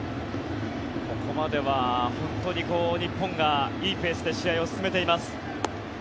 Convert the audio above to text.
ここまでは本当に日本がいいペースで試合を進めています。